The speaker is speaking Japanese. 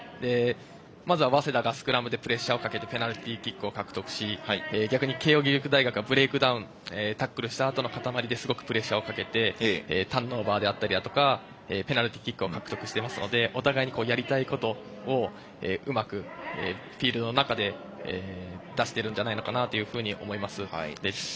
まずは早稲田がスクラムでプレッシャーをかけてペナルティキックを獲得し逆に慶応義塾大学はブレイクダウンタックルしたあとの塊ですごくプレッシャーをかけてターンオーバーであったりとかペナルティキックを獲得してますのでお互いにやりたいことをうまくフィールドの中で出しているんじゃないのかなと思います。